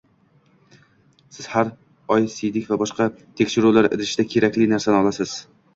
Siz har oy siydik va boshqa tekshiruvlar idishida kerakli narsani olasiz